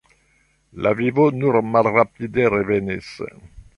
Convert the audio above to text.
La vivo nur malrapide revenis.